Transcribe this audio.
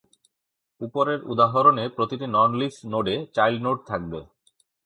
উপরের উদাহরণে প্রতিটি নন-লিফ নোডে চাইল্ড নোড থাকবে।